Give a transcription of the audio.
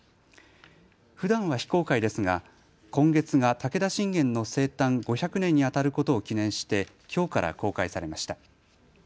ふだんは非公開ですが今月が武田信玄の生誕５００年にあたることを記念してきょうから公開されました。